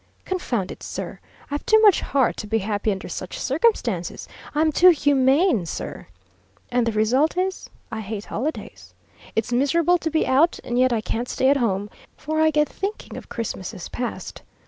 Confound it, sir, I've too much heart to be happy under such circumstances! I'm too humane, sir! And the result is, I hate holidays. It's miserable to be out, and yet I can't stay at home, for I get thinking of Christmases past.